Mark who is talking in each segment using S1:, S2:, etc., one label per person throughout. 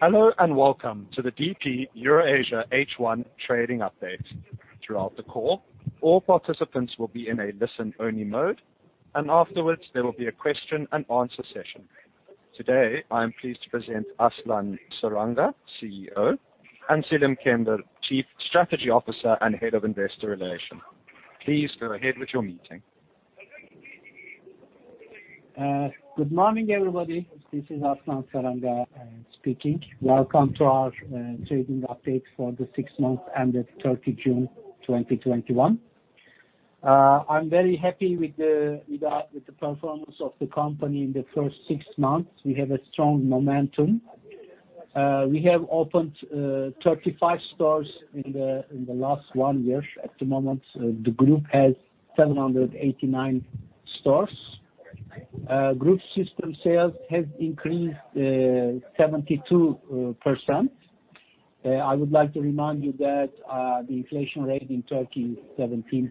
S1: Hello and welcome to the DP Eurasia H1 trading update. Throughout the call, all participants will be in a listen-only mode, and afterwards there will be a question and answer session. Today, I am pleased to present Aslan Saranga, CEO, and Selim Kender, Chief Strategy Officer and Head of Investor Relations. Please go ahead with your meeting.
S2: Good morning, everybody. This is Aslan Saranga speaking. Welcome to our trading update for the six months ended 30 June 2021. I'm very happy with the performance of the company in the first six months. We have a strong momentum. We have opened 35 stores in the last one year. At the moment, the group has 789 stores. Group system sales have increased 72%. I would like to remind you that the inflation rate in Turkey is 17%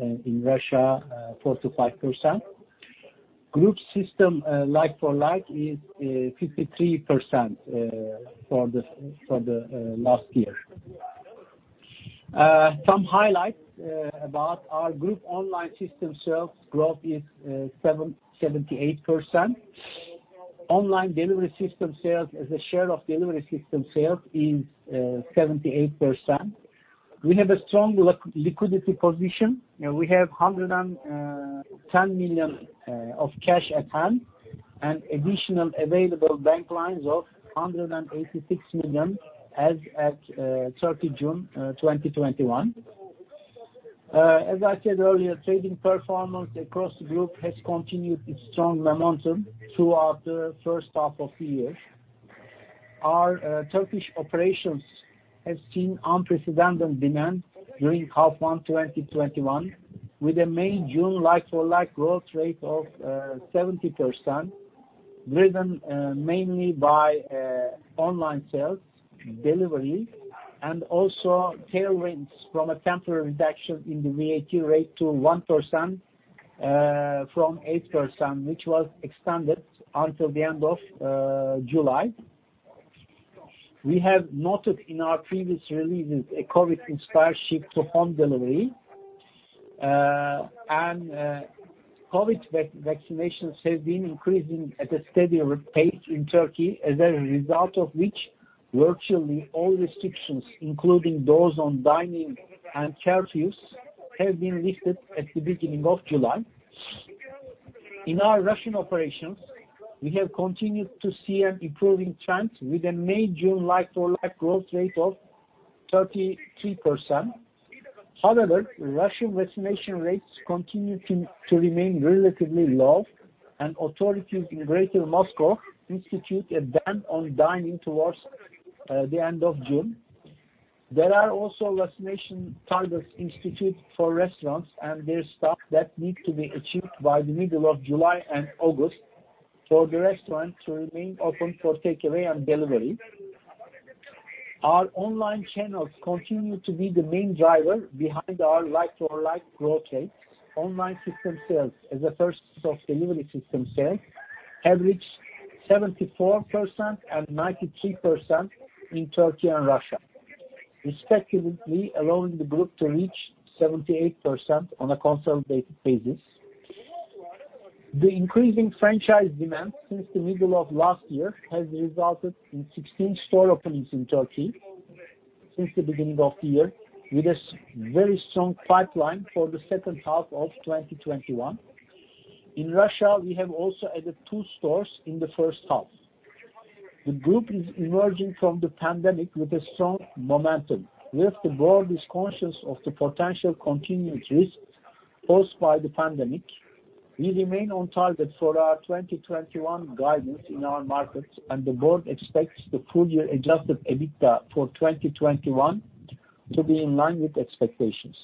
S2: and in Russia 4%-5%. Group system like-for-like is 53% for the last year. Some highlights about our group online system sales growth is 78%. Online delivery system sales as a share of delivery system sales is 78%. We have a strong liquidity position. We have 110 million of cash at hand and additional available bank lines of 186 million as at 30 June 2021. As I said earlier, trading performance across the group has continued its strong momentum throughout the first half of the year. Our Turkish operations have seen unprecedented demand during H1 2021, with a May-June like-for-like growth rate of 70%, driven mainly by online sales delivery and also tailwinds from a temporary reduction in the VAT rate to 1% from 8%, which was extended until the end of July. We have noted in our previous releases a COVID-inspired shift to home delivery. COVID vaccinations have been increasing at a steady pace in Turkey, as a result of which virtually all restrictions, including those on dining and curfews, have been lifted at the beginning of July. In our Russian operations, we have continued to see an improving trend with a May-June like-for-like growth rate of 33%. However, Russian vaccination rates continue to remain relatively low, and authorities in Greater Moscow instituted a ban on dining towards the end of June. There are also vaccination targets instituted for restaurants and their staff that need to be achieved by the middle of July and August for the restaurant to remain open for takeaway and delivery. Our online channels continue to be the main driver behind our like-for-like growth rates. Online system sales as a percentage of delivery system sales have reached 74% and 93% in Turkey and Russia, respectively, allowing the group to reach 78% on a consolidated basis. The increasing franchise demand since the middle of last year has resulted in 16 store openings in Turkey since the beginning of the year, with a very strong pipeline for the second half of 2021. In Russia, we have also added two stores in the first half. The group is emerging from the pandemic with a strong momentum. While the board is conscious of the potential continuing risks posed by the pandemic, we remain on target for our 2021 guidance in our markets, and the board expects the full year adjusted EBITDA for 2021 to be in line with expectations.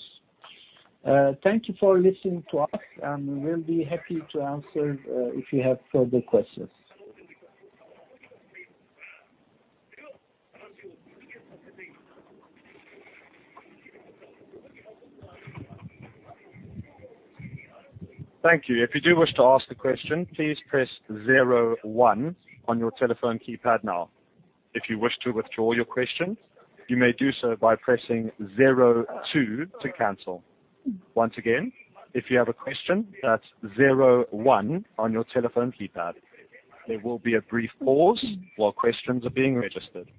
S2: Thank you for listening to us, and we will be happy to answer if you have further questions.
S1: Thank you. If you do wish to ask a question, please press zero one on your telephone keypad now. If you wish to withdraw your question, you may do so by pressing zero two to cancel. Once again, if you have a question, that's zero one on your telephone keypad. There will be a brief pause while questions are being registered.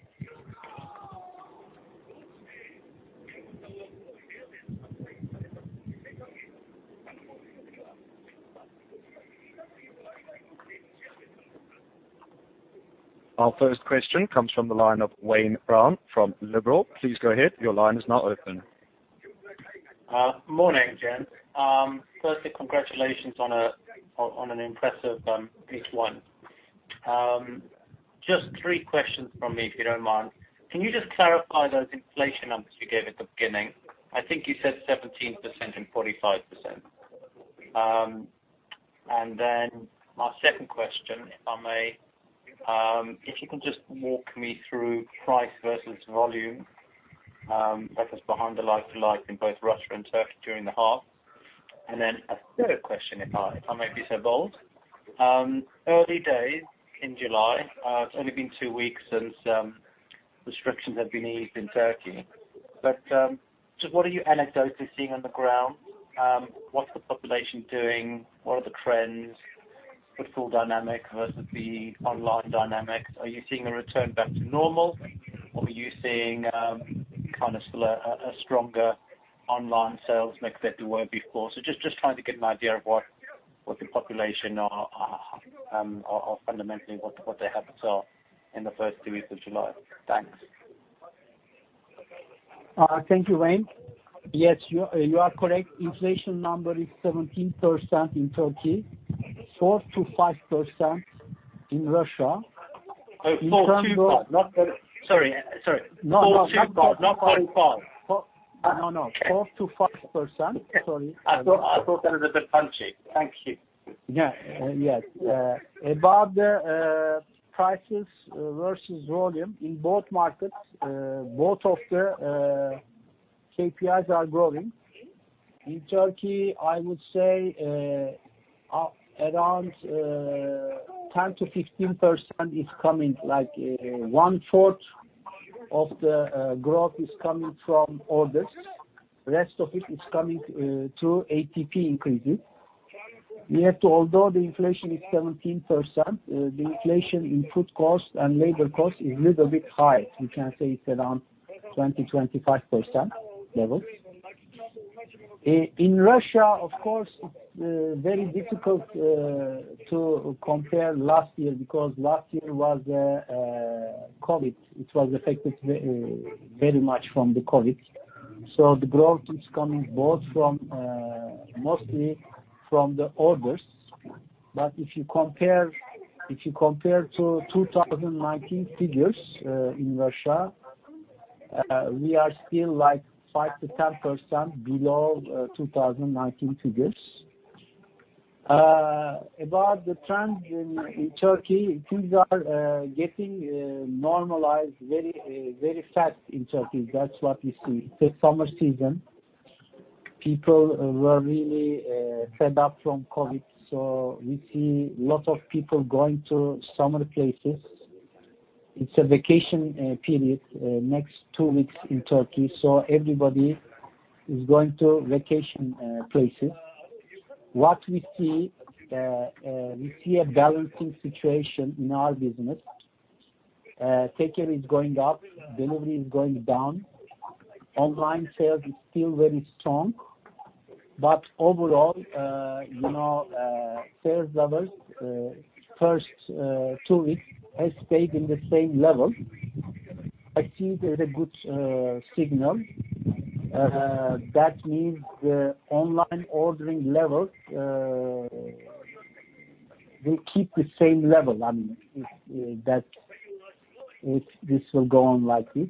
S1: Our first question comes from the line of Wayne Brown from Liberum. Please go ahead. Your line is now open.
S3: Morning, gents. Firstly, congratulations on an impressive H1. Just three questions from me, if you don't mind. Can you just clarify those inflation numbers you gave at the beginning? I think you said 17% and 4%-5%. My second question, if I may, if you can just walk me through price versus volume that was behind the like-for-like in both Russia and Turkey during the half. A third question, if I may be so bold. Early days in July. It's only been two weeks since restrictions have been eased in Turkey. Just what are you anecdotally seeing on the ground? What's the population doing? What are the trends, the full dynamic versus the online dynamic? Are you seeing a return back to normal, or are you seeing still a stronger online sales mix than you were before? Just trying to get an idea of what the population are fundamentally, what their habits are in the first two weeks of July. Thanks.
S2: Thank you, Wayne. Yes, you are correct. Inflation number is 17% in Turkey, 4%-5% in Russia.
S3: Sorry. 4.5%, not 0.5%.
S2: No. 4%-5%. Sorry.
S3: I thought I heard a decimal. Thank you.
S2: Yeah. About the prices versus volume in both markets, both of the KPIs are growing. In Turkey, I would say around 10%-15% is coming, like 1/4 of the growth is coming from orders. The rest of it is coming through ATP increases. Yet, although the inflation is 17%, the inflation in food costs and labor cost is a little bit high. We can say it's around 20%-25% level. In Russia, of course, it's very difficult to compare last year because last year was COVID. It was affected very much from the COVID. The growth is coming both from, mostly from the orders. If you compare to 2019 figures in Russia, we are still like 5%-10% below 2019 figures. About the trends in Turkey, things are getting normalized very fast in Turkey. That's what we see. It's the summer season. People were really fed up from COVID, so we see lots of people going to summer places. It's a vacation period, next two weeks in Turkey, so everybody is going to vacation places. What we see, we see a balancing situation in our business. Takeaway is going up, delivery is going down. Online sales is still very strong. Overall, sales levels first two weeks has stayed in the same level. I think it's a good signal. That means the online ordering levels will keep the same level if this will go on like it.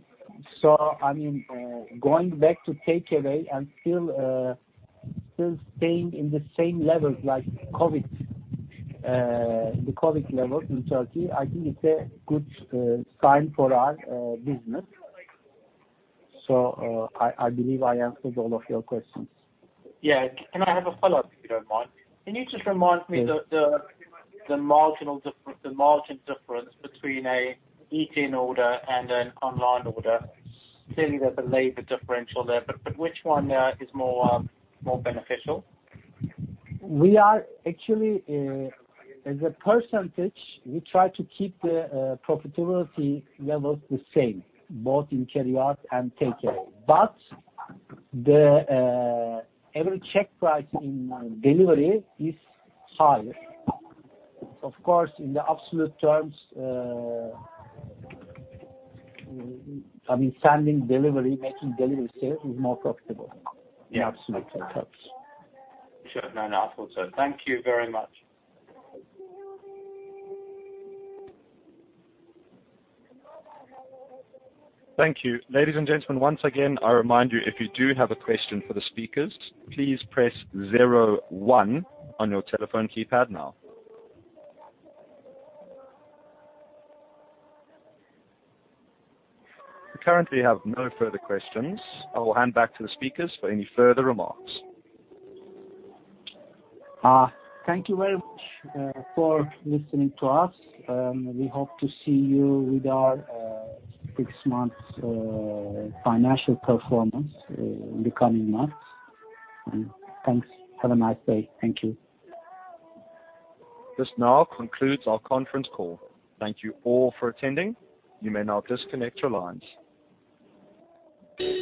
S2: Going back to takeaway and still staying in the same levels like the COVID levels in Turkey, I think it's a good sign for our business. I believe I answered all of your questions.
S3: Yeah. Can I have a follow-up, if you don't mind? Can you just remind me the margin difference between a eat-in order and an online order, clearly there's a labor differential there, but which one is more beneficial?
S2: Actually, as a percentage, we try to keep the profitability levels the same, both in carryout and takeaway. Every check price in delivery is higher. Of course, in the absolute terms, sending delivery, making delivery sales is more profitable in absolute terms.
S3: Sure. No, no. Thank you very much.
S1: Thank you. Ladies and gentlemen, once again, I remind you, if you do have a question for the speakers, please press zero one on your telephone keypad now. We currently have no further questions. I will hand back to the speakers for any further remarks.
S2: Thank you very much for listening to us. We hope to see you with our six months financial performance in the coming months. Thanks. Have a nice day. Thank you.
S1: This now concludes our conference call. Thank you all for attending. You may now disconnect your lines.